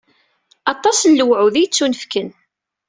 Aṭas n lewɛud i yettunefken.